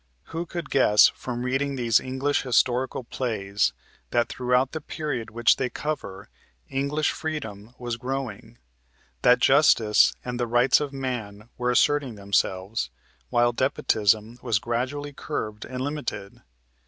Who could guess from reading these English historical plays that throughout the period which they cover English freedom was growing, that justice and the rights of man were asserting themselves, while despotism was gradually curbed and limited?